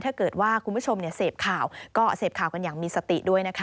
ถ้าเกิดว่าคุณผู้ชมเสพข่าวก็เสพข่าวกันอย่างมีสติด้วยนะคะ